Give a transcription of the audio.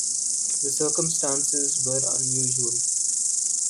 The circumstances were unusual.